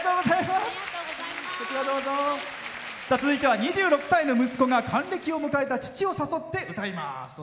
続いては２６歳の息子が還暦を迎えた父を誘って歌います。